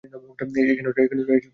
এই কেন্দ্রটি এসটি এর জন্য সংরক্ষিত।